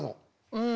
うん。